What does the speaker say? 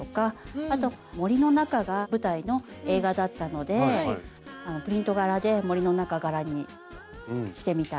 あと森の中が舞台の映画だったのでプリント柄で森の中柄にしてみたり。